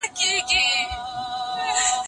نفسي غوښتنو ته لومړیتوب نه ورکول کېږي.